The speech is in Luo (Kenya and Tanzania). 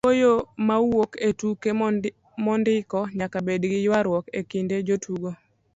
wuoyo mawuok e tuke mondiki nyaka bed gi ywaruok e kind jotuko